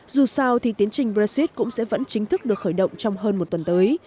dù sao thì tiến trình brexit cũng sẽ vẫn chính thức được khởi động trong hơn một tuần tới